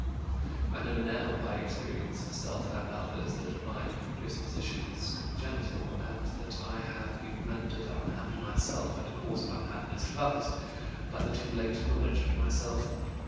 I know now by experience of self and others that my disposition is congenital and that I have been rendered unhappy myself and a cause of unhappiness to others by the too late knowledge of myself.